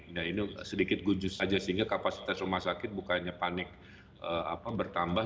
nah ini sedikit gujus aja sehingga kapasitas rumah sakit bukannya panik bertambah